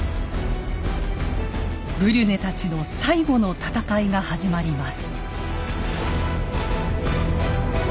ブリュネたちの最後の戦いが始まります。